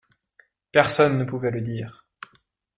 Personne ne pouvait le dire.